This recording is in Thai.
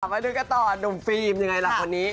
มาดูกันต่อดูฟีมยังไงล่ะพวกนี้